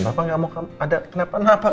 papa gak mau ada kenapa kenapa